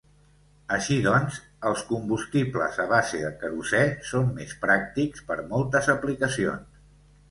Així doncs, els combustibles a base de querosè són més pràctics per moltes aplicacions.